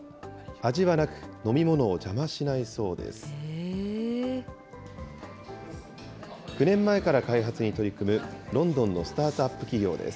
味はなく、飲み物を邪魔しないそうです。